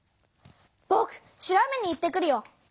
ぼく調べに行ってくるよ！